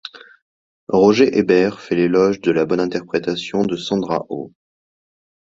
Roger Ebert fait l'éloge de la bonne interprétation de Sandra Oh.